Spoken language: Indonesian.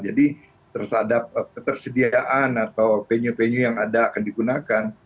jadi tersadap ketersediaan atau venue venue yang ada akan digunakan